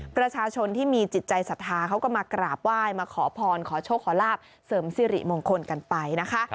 ประชาชนที่มีจิตใจสัทธาเขาก็มากราบไหว้มาขอพรขอโชคขอลาบเสริมสิริมงคลกันไปนะคะ